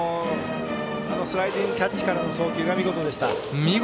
スライディングキャッチからの送球が見事でした。